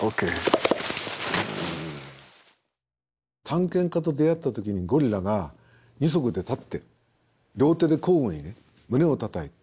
探検家と出会った時にゴリラが２足で立って両手で交互にね胸をたたいた。